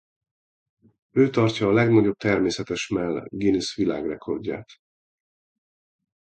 Ő tartja a legnagyobb természetes mell Guinness világrekordját.